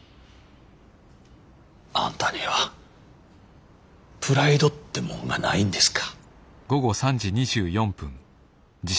あんたにはプライドってもんがないんですか。